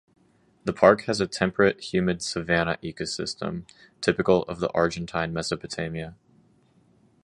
The park has a temperate-humid savanna ecosystem, typical of the Argentine Mesopotamia.